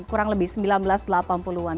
kurang lebih seribu sembilan ratus delapan puluh an